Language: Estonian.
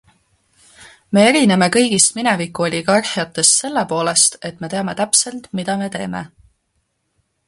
Me erineme kõigist mineviku oligarhiatest selle poolest, et me teame täpselt, mida me teeme.